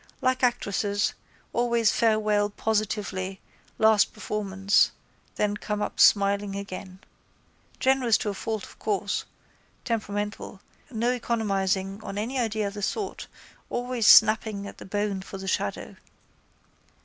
Like actresses, always farewell positively last performance then come up smiling again. Generous to a fault of course, temperamental, no economising or any idea of the sort, always snapping at the bone for the shadow.